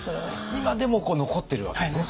今でも残ってるわけですね